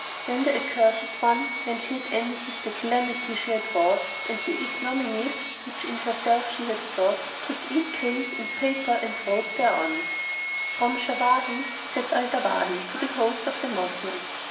Then the Accursed One (when she had ended with the calamity she had wrought and the ignominies which in herself she had thought) took ink case and paper and wrote thereon: "From Shawahi, Zat al Dawahi, to the host of the Moslems.